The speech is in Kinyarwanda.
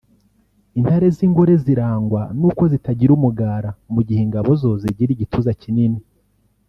Intare z’ ingore zirangwa n’ uko zitagira umugara mu gihe ingabo zo zigira igituza kinini